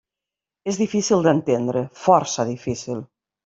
És difícil d'entendre, força difícil!